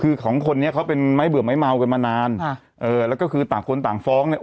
คือของคนนี้เขาเป็นไม้เบื่อไม้เมากันมานานค่ะเออแล้วก็คือต่างคนต่างฟ้องเนี่ย